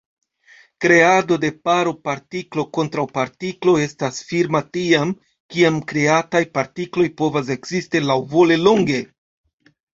Kreado de paro partiklo-kontraŭpartiklo estas firma tiam, kiam kreataj partikloj povas ekzisti laŭvole longe.